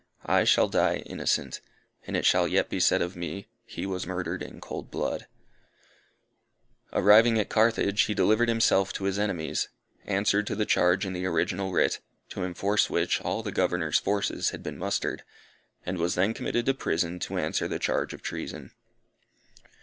I shall die innocent: and it shall yet be said of me He was murdered in cold blood_." Arriving at Carthage, he delivered himself to his enemies; answered to the charge in the original writ, to enforce which all the Governor's forces had been mustered, and was then committed to prison to answer the charge of treason.